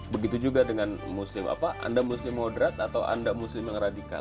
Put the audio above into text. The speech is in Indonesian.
begitu juga dengan muslim apa anda muslim moderat atau anda muslim yang radikal